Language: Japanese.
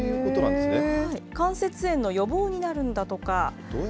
関節炎の予防になるんだとか。